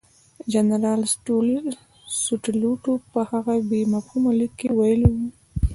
جنرال سټولیټوف په هغه بې مفهومه لیک کې ویلي وو.